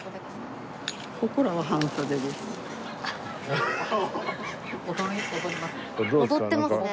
ここらは半袖です。